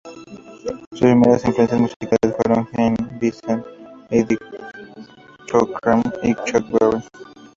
Sus primeras influencias musicales fueron Gene Vincent, Eddie Cochran y Chuck Berry.